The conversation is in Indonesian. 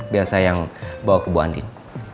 biar saya yang bawa ke mbak andin